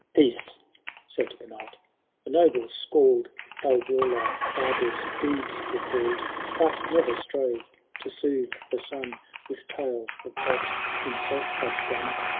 *' VIL «*Peaee,'* laid the Knight, «• the noble Scald Our warlike fliiher\i deeds iecall*d, But nerer strove to loothe the son WiUi tales of what himself had done.